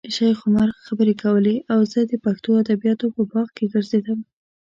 شیخ عمر خبرې کولې او زه د پښتو ادبیاتو په باغ کې ګرځېدم.